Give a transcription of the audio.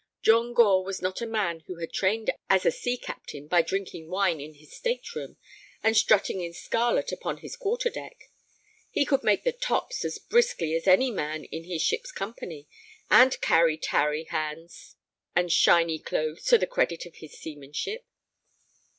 John Gore was not a man who had trained as a sea captain by drinking wine in his state room and strutting in scarlet upon his quarter deck. He could make the tops as briskly as any man in his ship's company, and carry tarry hands and shiny clothes to the credit of his seamanship.